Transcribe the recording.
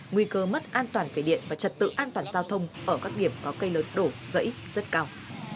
nguy cơ mất an toàn về điện và trật tự an toàn giao thông ở các điểm có cây lớn đổ gãy rất cao